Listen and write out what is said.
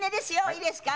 いいですか？